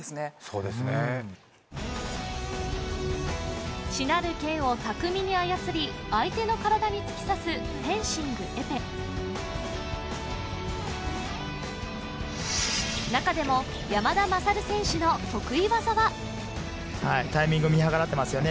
うんしなる剣を巧みに操り相手の体に突き刺すフェンシング・エペ中でも山田優選手の得意技はタイミング見計らってますよね